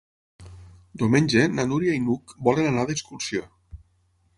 Diumenge na Núria i n'Hug volen anar d'excursió.